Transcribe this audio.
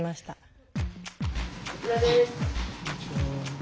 こちらです。